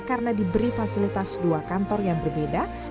karena diberi fasilitas dua kantor yang berbeda